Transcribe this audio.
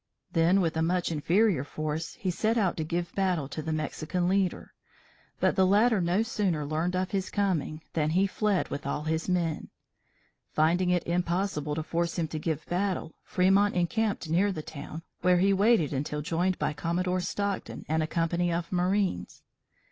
Then with a much inferior force, he set out to give battle to the Mexican leader; but the latter no sooner learned of his coming, than he fled with all his men. Finding it impossible to force him to give battle, Fremont encamped near the town, where he waited until joined by Commodore Stockton and a company of marines.